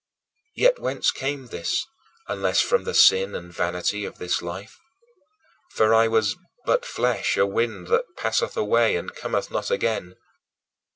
Yet whence came this, unless from the sin and vanity of this life? For I was "but flesh, a wind that passeth away and cometh not again."